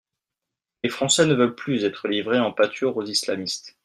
Les Français ne veulent plus être livrés en pâture aux islamistes.